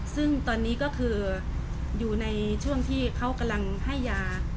ซึ่งตอนนี้ก็คืออยู่ในช่วงที่เขากำลังให้ยา